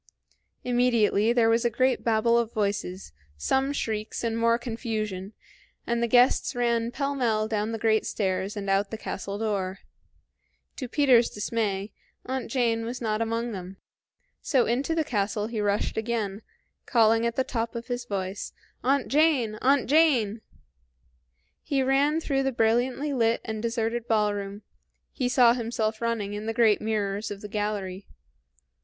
Immediately there was a great babble of voices, some shrieks, and more confusion, and the guests ran pell mell down the great stairs and out the castle door. To Peter's dismay, Aunt Jane was not among them. So into the castle he rushed again, calling at the top of his voice, "Aunt Jane! Aunt Jane!" He ran through the brilliantly lit and deserted ballroom; he saw himself running in the great mirrors of the gallery.